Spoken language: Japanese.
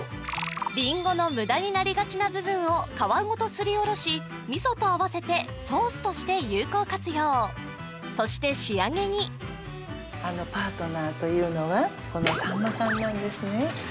りんごの無駄になりがちな部分を皮ごとすりおろし味噌と合わせてソースとして有効活用そして仕上げにあのパートナーというのがこのさんまさんなんですね